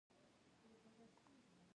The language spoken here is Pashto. د افغانستان طبیعت له انار څخه جوړ شوی دی.